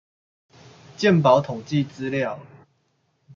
健保統計資料